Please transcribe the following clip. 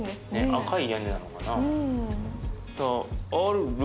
赤い屋根なのかな。